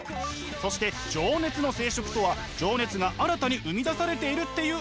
そして情熱の生殖とは情熱が新たに生み出されているっていう意味。